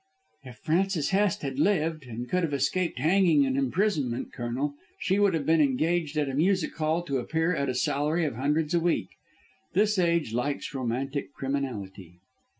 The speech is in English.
"If Frances Hest had lived and could have escaped hanging and imprisonment, Colonel, she would have been engaged at a music hall to appear at a salary of hundreds a week. This age likes romantic criminality."